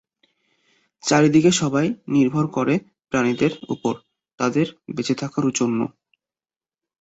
চারদিকে সবাই নির্ভর করে প্রাণীদের উপর, তাদের বেঁচে থাকার জন্য।